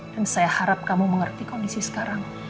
dan saya harap kamu mengerti kondisi sekarang